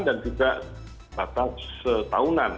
dan juga batas setahunan